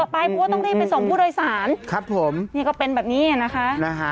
ปิดเถอะไปเพราะว่าต้องรีบไปส่งผู้โดยสาร